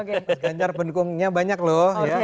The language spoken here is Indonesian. ganjar pendukungnya banyak loh